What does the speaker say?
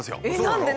何で？